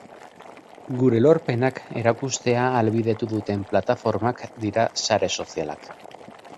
Gure lorpenak erakustea ahalbidetu duten plataformak dira sare sozialak.